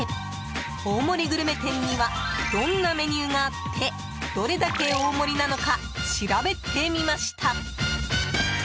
大盛りグルメ店にはどんなメニューがあってどれだけ大盛りなのか調べてみました。